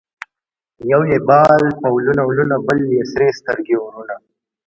یو یې بال په ولونه ولونه ـ بل یې سرې سترګې اورونه